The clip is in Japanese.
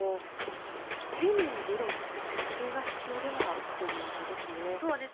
丁寧な議論そして説明が必要ではある問題ですね。